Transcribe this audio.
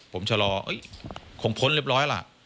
ผมชะลอคงพ้นเรียบร้อยล่ะ